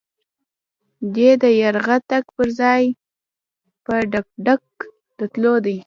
دی د يرغه تګ پر ځای په ډګډګ د تللو دی.